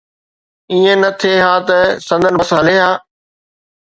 ائين نه ٿئي ها ته سندن بس هلي ها.